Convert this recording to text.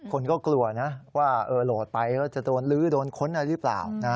คนก็กลัวนะว่าโหลดไปแล้วจะโดนลื้อโดนค้นอะไรหรือเปล่า